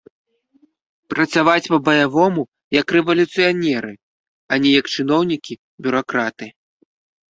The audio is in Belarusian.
Працаваць па-баявому, як рэвалюцыянеры, а не як чыноўнікі, бюракраты.